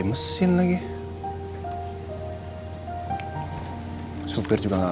mama harus kuat